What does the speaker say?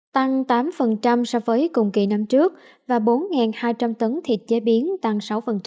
tăng tám so với cùng kỳ năm trước và bốn hai trăm linh tấn thịt chế biến tăng sáu